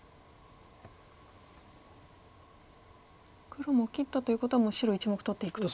黒も切ったということはもう白１目取っていくと。